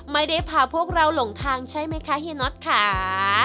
ไม่ได้พาพวกเราหลงทางใช่ไหมคะเฮียน็อตค่ะ